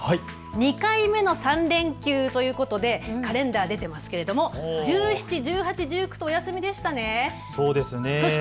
２回目の３連休ということでカレンダー出ていますけれども１７、１８、１９とお休みでしたね。